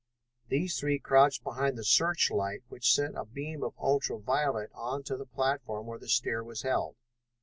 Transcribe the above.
These three crouched behind the search light which sent a mild beam of ultra violet onto the platform where the steer was held.